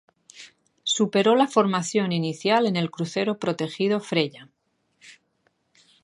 Superó la formación inicial en el crucero protegido "Freya".